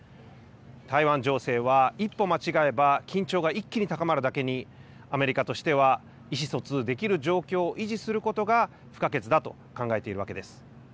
台湾情勢は一歩間違えば緊張が一気に高まるだけに、アメリカとしては、意思疎通できる状況を維持することが不可欠だと考えているわけです。